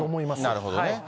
なるほどね。